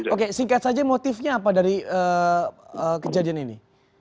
oke singkat saja motifnya apa dari kejadian ini